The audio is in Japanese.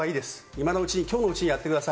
今のうちに、きょうのうちにやってください。